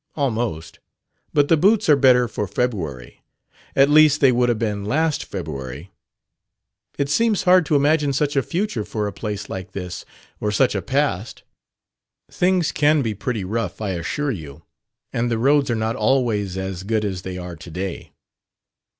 "Almost. But the boots are better for February. At least, they would have been last February." "It seems hard to imagine such a future for a place like this, or such a past." "Things can be pretty rough, I assure you. And the roads are not always as good as they are to day."